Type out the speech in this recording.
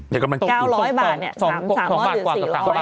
๙๐๐บาทเนี่ย๓๐๐หรือ๔๐๐